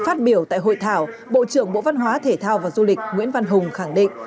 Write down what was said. phát biểu tại hội thảo bộ trưởng bộ văn hóa thể thao và du lịch nguyễn văn hùng khẳng định